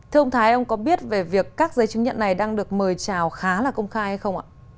thưa ông thái ông có biết về việc các giấy chứng nhận này đang được mời trào khá là công khai hay không ạ